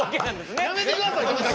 やめてください。